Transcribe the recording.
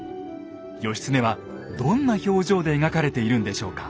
義経はどんな表情で描かれているんでしょうか？